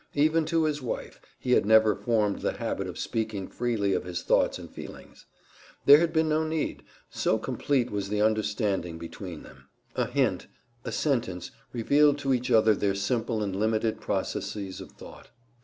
Even to his wife, he had never formed the habit of speaking freely of his thoughts and feelings. There had been no need, so complete was the understanding between them. A hint, a sentence, reveled to each other their simple and limited processes of thought.